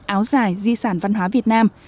áo dài di sản văn hóa việt nam